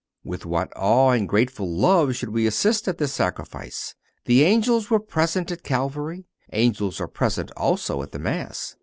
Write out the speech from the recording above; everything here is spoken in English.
With what awe and grateful love should we assist at this Sacrifice! The angels were present at Calvary. Angels are present also at the Mass.